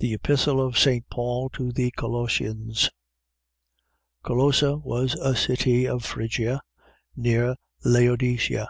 THE EPISTLE OF ST. PAUL TO THE COLOSSIANS Colossa was a city of Phrygia, near Laodicea.